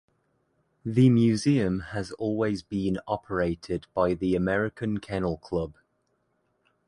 The museum has always been operated by the American Kennel Club.